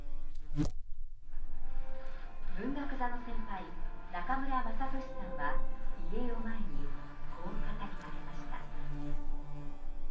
文学座の先輩、中村雅俊さんは、遺影を前に、こう語りかけました。